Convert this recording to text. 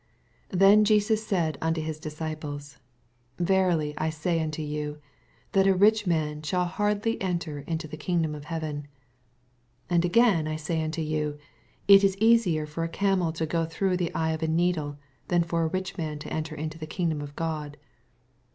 28 Then said Jesus unto his dis eiples, Verily I say unto youj That a rich man shall hardly enter into the kingdom of heaven. 34 And again I say unto yon. It is easier for a camel to go througn the eye of a needle, than for a rlon man to enter into the kingdom of God.